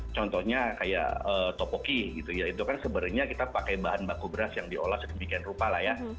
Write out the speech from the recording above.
contohnya kayak topoki gitu ya itu kan sebenarnya kita pakai bahan baku beras yang diolah sedemikian rupa lah ya